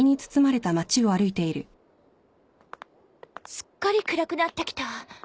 すっかり暗くなってきた。